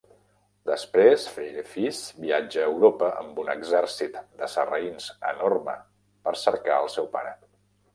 Després, Feirefiz viatja a Europa amb un exèrcit de sarraïns enorme per cercar al seu pare.